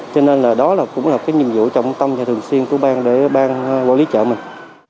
cho nên là đó cũng là cái nhiệm vụ trọng tâm và thường xuyên của bang để bang quản lý chợ mình